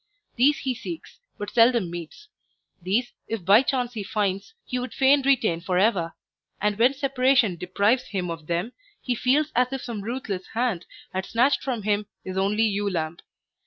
These he seeks, but seldom meets; these, if by chance he finds, he would fain retain for ever, and when separation deprives him of them he feels as if some ruthless hand had snatched from him his only ewe lamb.